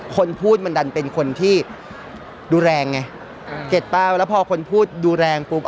คนพูดมันดันเป็นคนที่ดูแรงไงเกร็ดเปล่าแล้วพอคนพูดดูแรงปุ๊บ